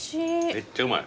めっちゃうまい。